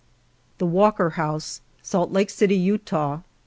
THE WALKER HOUSE, SALT LAKE CITY, UTAH.